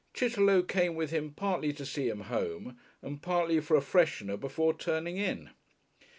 Chitterlow came with him partly to see him home and partly for a freshener before turning in.